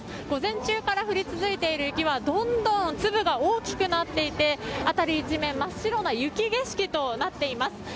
午前中から降り続いている雪はどんどん粒が大きくなっていて辺り一面真っ白な雪景色となっています。